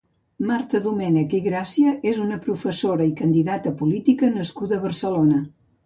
Marta Domènech i Gràcia és una professora i candidata política nascuda a Barcelona.